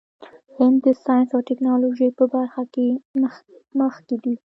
هند د ساینس او ټیکنالوژۍ په برخه کې مخکې دی.